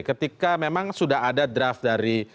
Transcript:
ketika memang sudah ada draft dari